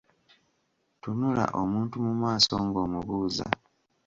Tunula omuntu mu maaso ng'omubuuza.